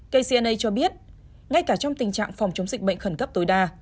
kcna cho biết ngay cả trong tình trạng phòng chống dịch bệnh khẩn cấp tối đa